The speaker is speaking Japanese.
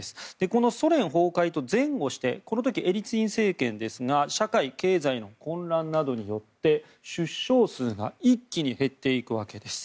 このソ連崩壊と前後してこの時、エリツィン政権ですが社会経済の混乱などによって出生数が一気に減っていくわけです。